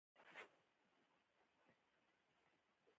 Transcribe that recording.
د پلار مخ یې وینې و او شکنجه شوی و